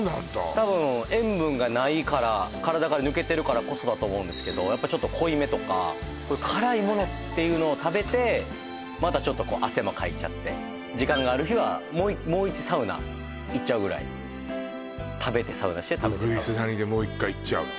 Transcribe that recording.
多分塩分がないから体から抜けてるからこそだと思うんですけどやっぱちょっと濃いめとか辛いものっていうのを食べてまたちょっと汗もかいちゃって時間がある日はもう１サウナいっちゃうぐらい食べてサウナして食べてサウナする鶯谷でもう１回いっちゃうの？